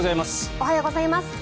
おはようございます。